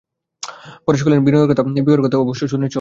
পরেশ কহিলেন, বিনয়ের বিবাহের কথা তুমি অবশ্য শুনেছ?